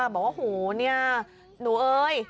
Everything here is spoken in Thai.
บอกว่าโหเนี่ยหนูเอ้ย